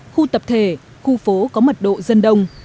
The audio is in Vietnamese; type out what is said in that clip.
khu tập thể khu phố có mật độ dân đông